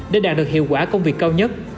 để đạt được hiệu quả công việc cao nhất